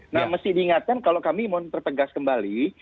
nah mesti diingatkan kalau kami mau mempertegas kembali